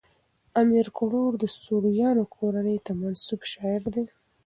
امیر کروړ د سوریانو کورنۍ ته منسوب شاعر دﺉ.